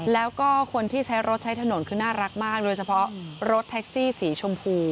แล้วก็คนที่ใช้รถใช้ถนนคือน่ารักมากโดยเฉพาะรถแท็กซี่สีชมพู